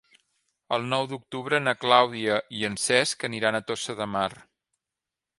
El nou d'octubre na Clàudia i en Cesc aniran a Tossa de Mar.